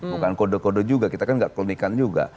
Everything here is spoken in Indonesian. bukan kode kode juga kita kan gak klinikan juga